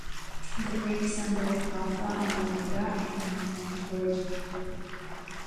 The Greek symbols "alpha" and "omega" had been planned originally.